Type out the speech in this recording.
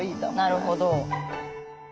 なるほど。